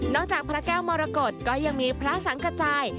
จากพระแก้วมรกฏก็ยังมีพระสังกระจาย